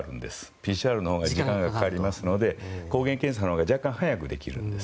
ＰＣＲのほうが時間がかかりますので抗原検査のほうが若干早くできるんです。